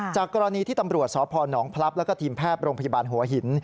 จากกรณีที่ตำรวจสพนพลับแล้วก็ทีมแพทย์โรงพยาบาลหัวหิน